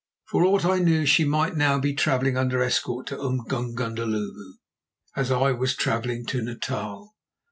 For aught I knew she might now be travelling under escort to Umgungundhlovu, as I was travelling to Natal.